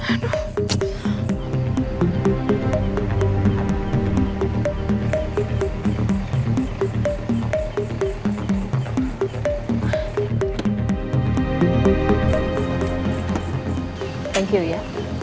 terima kasih ya